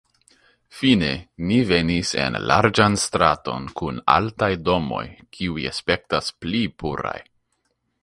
Fine ni venis en larĝan straton kun altaj domoj, kiuj aspektis pli puraj.